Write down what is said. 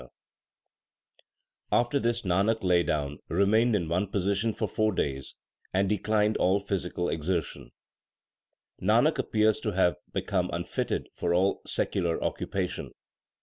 LIFE OF GURU NANAK 21 After this Nanak lay down, remained in one posi tion for four days, and declined all physical exertion. Nanak appears to have become unfitted for all secular occupation.